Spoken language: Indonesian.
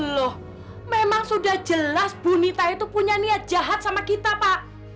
loh memang sudah jelas bu nita itu punya niat jahat sama kita pak